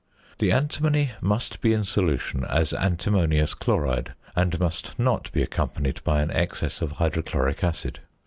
The antimony must be in solution as antimonious chloride, and must not be accompanied by an excess of hydrochloric acid.